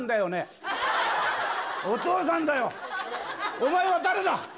お前は誰だ。